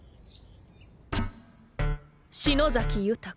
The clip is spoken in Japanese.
篠崎豊